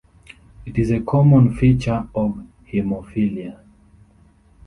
It is a common feature of Hemophilia.